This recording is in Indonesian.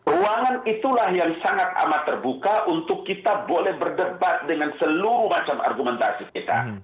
ruangan itulah yang sangat amat terbuka untuk kita boleh berdebat dengan seluruh macam argumentasi kita